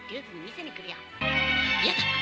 嫌だ。